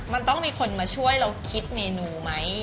มันต้องมีคนมาช่วยเราคิดเมนูไหม